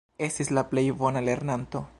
Estis la plej bona lernanto.